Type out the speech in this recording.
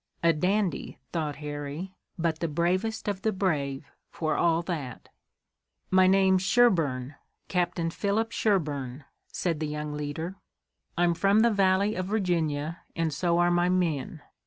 "A dandy," thought Harry, "but the bravest of the brave, for all that." "My name's Sherburne, Captain Philip Sherburne," said the young leader. "I'm from the Valley of Virginia, and so are my men.